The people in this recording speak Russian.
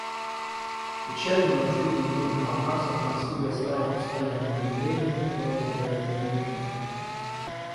Печально, но в жизни многих афганцев насилие стало постоянным явлением, которое забирает много жизней.